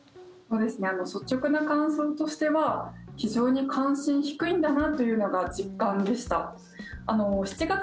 率直な感想としては非常に関心低いんだなというのが実感でした。